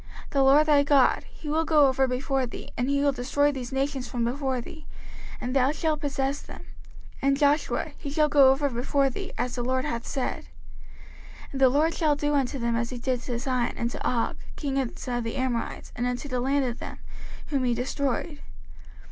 05:031:003 The LORD thy God, he will go over before thee, and he will destroy these nations from before thee, and thou shalt possess them: and Joshua, he shall go over before thee, as the LORD hath said. 05:031:004 And the LORD shall do unto them as he did to Sihon and to Og, kings of the Amorites, and unto the land of them, whom he destroyed.